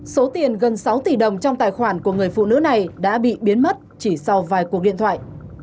số tiền gần sáu tỷ đồng trong tài khoản của người phụ nữ này đã bị biến mất chỉ sau vài cuộc điện thoại